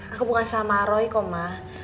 aku bukan sama roy koma